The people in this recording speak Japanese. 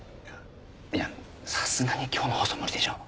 いやさすがに今日の放送は無理でしょう。